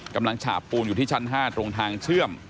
ฉาบปูนอยู่ที่ชั้น๕ตรงทางเชื่อม